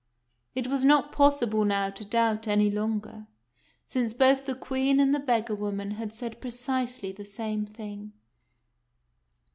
It was not possible now to doubt any longer, since both the Queen and the beggar woman had said precisely the same thing.